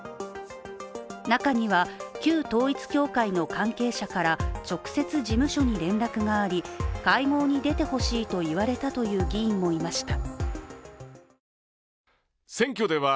中には、旧統一教会の関係者から直接事務所に連絡があり会合に出てほしいと言われたという議員もいました。